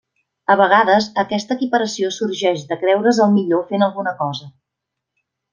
A vegades aquesta equiparació sorgeix de creure's el millor fent alguna cosa.